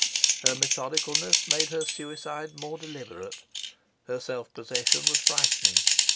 Her methodicalness made her suicide more deliberate. Her self possession was frightening.